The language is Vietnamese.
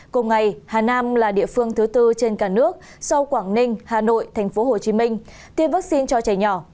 cùng ngày hà nam là địa phương thứ tư trên cả nước sau quảng ninh hà nội tp hcm tiêm vaccine cho trẻ nhỏ